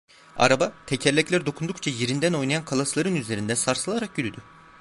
Araba, tekerlekler dokundukça yerinden oynayan kalasların üzerinde sarsılarak yürüdü.